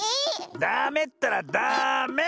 ダメったらダメ！